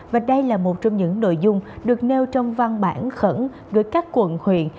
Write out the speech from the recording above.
và đây là một trong những nội dung được nêu trong văn bản khẩn gửi các quận huyện